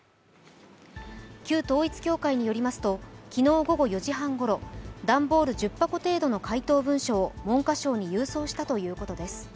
旧統一教会によりますと昨日午後４時半ごろ段ボール１０箱程度の回答文書を文科省に郵送したということです。